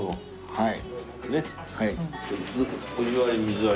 はい。